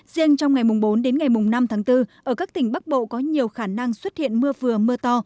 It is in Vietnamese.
riêng trong ngày bốn đến ngày năm tháng bốn ở các tỉnh bắc bộ có nhiều khả năng xuất hiện mưa vừa mưa to